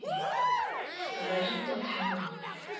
] A LEGEND OF TYRONE.